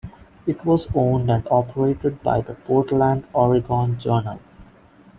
It was owned and operated by the Portland Oregon Journal.